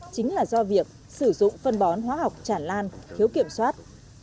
chính là do việc sử dụng phân bón hóa học chản lan thiếu kiểm soát